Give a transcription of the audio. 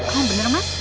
kamu bener mas